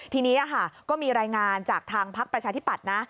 ทีนี้ก็มีรายงานจากทางพักประชาธิปัตย์นะ